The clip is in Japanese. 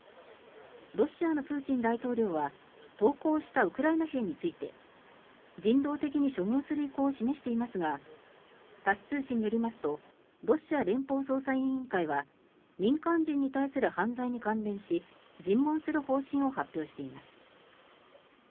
ロシアのプーチン大統領は投降したウクライナ兵について人道的に処遇する意向を示していますがタス通信によりますとロシア連邦捜査委員会は民間人に対する犯罪に関連し尋問する方針を発表しています。